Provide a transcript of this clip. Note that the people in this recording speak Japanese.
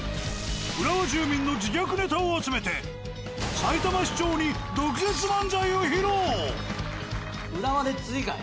浦和住民の自虐ネタを集めてさいたま市長に毒舌漫才を披露。